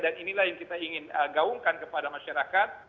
dan inilah yang kita ingin gaungkan kepada masyarakat